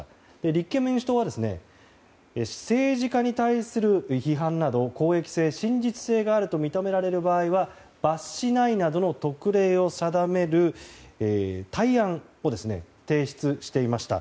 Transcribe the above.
立憲民主党は政治家に対する批判など公益性、真実性があると認められる場合は罰しないなどの特例を定める対案を提出していました。